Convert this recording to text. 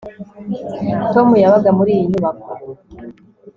Tom yabaga muri iyi nyubako